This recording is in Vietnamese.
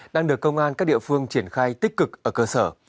đang được công an các địa phương triển khai tích cực ở cơ sở